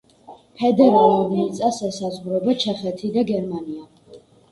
ფედერალურ მიწას ესაზღვრება ჩეხეთი და გერმანია.